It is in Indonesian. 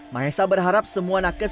mahesa berharap semua nakes